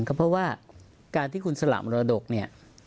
ก็เพราะว่าการที่คุณสละมรดกเนี่ย